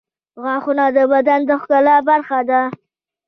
غاښونه د بدن د ښکلا برخه ده.